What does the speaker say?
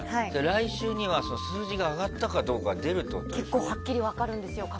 来週には数字が上がったかどうか各地はっきり分かるんですよ。